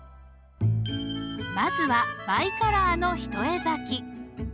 まずはバイカラーの一重咲き。